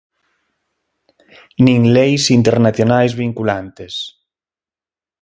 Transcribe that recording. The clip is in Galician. Nin leis internacionais vinculantes.